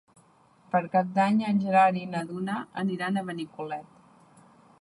Per Cap d'Any en Gerard i na Duna aniran a Benicolet.